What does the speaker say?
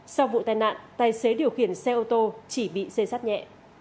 sau vụ tai nạn tài xế điều khiển xe ô tô chỉ bị xây sát nhẹ